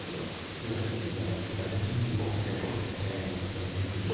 自分たちがやっている会社に移行して、やっていくんですが。